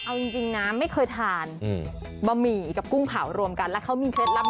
เอาจริงนะไม่เคยทานบะหมี่กับกุ้งเผารวมกันแล้วเขามีเคล็ดลับ